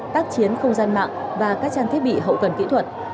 tác chiến không gian mạng và các trang thiết bị hậu cần kỹ thuật